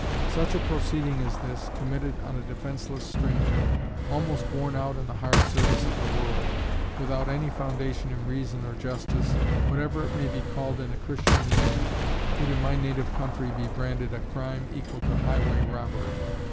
Such a proceeding as this, committed on a defenseless stranger, almost worn out in the hard service of the world, without any foundation in reason or justice, whatever it may be called in a christian land, would in my native country be branded a crime equal to highway robbery.